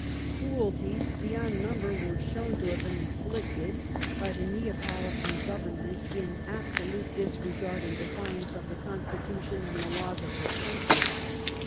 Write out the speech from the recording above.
Cruelties beyond number were shown to have been inflicted by the Neapolitan Government in absolute disregard and defiance of the constitution and the laws of the country.